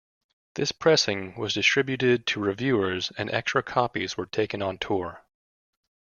This pressing was distributed to reviewers and extra copies were taken on tour.